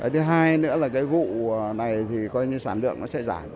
thứ hai nữa là cái vụ này thì coi như sản lượng nó sẽ giảm